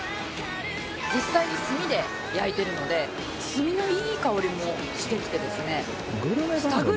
実際に炭で焼いてるので炭のいい香りもしてきてですね。